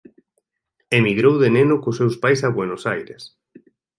Emigrou de neno cos seus pais a Buenos Aires.